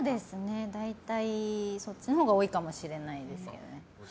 そっちのほうが多いかもしれないです。